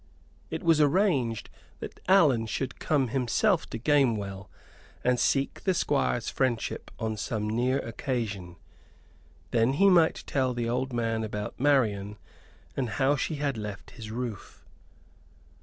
It was arranged that Allan should come himself to Gamewell, and seek the Squire's friendship on some near occasion. Then he might tell the old man about Marian and how she had left his roof.